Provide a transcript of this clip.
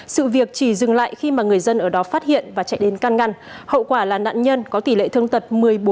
sự việc chỉ dừng lại khi mà người dân ở đó phát hiện và chạy đến can ngăn hậu quả là nạn nhân có tỷ lệ thương tật một mươi bốn